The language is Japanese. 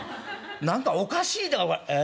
何かおかしいええ？